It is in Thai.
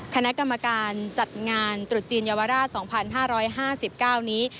คณะกรรมการจัดงานตรุษจีนเยาวราช๒๕๕๙นี้